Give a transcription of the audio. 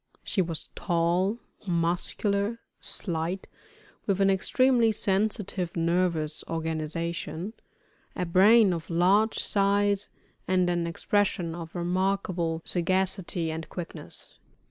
She was tall, muscular, slight, with an extremely sensitive nervous organization, a brain of large size, and an expression of remarkable sagacity and quickness.